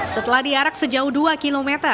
setelah diarak sejauh dua km